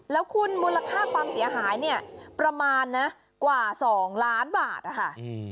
แล้วคุณมูลค่าความเสียหายเนี่ยประมาณนะกว่า๒ล้านบาทนะคะ